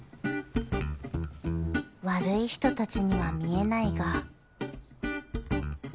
悪い人たちには見えないが